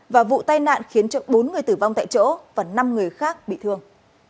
và vụ tai nạn khiến cho bốn người tử vong tại chỗ và năm người khác bị thương